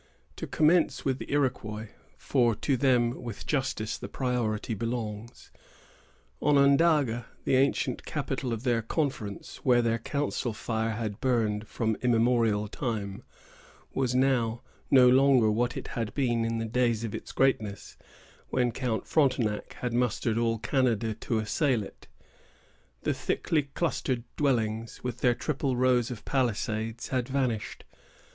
To commence with the Iroquois, for to them with justice the priority belongs: Onondaga, the ancient capital of their confederacy, where their council fire had burned from immemorial time, was now no longer what it had been in the days of its greatness, when Count Frontenac had mustered all Canada to assail it. The thickly clustered dwellings, with their triple rows of palisades, had vanished.